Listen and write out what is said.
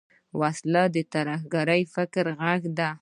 وسله د ترهګر فکر غږ ده